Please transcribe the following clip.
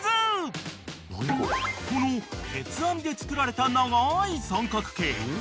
［この鉄網で作られた長い三角形